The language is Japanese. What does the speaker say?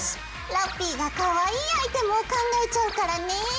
ラッピィがかわいいアイテムを考えちゃうからね。